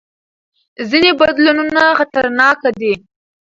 ځینې بدلونونه خطرناک دي.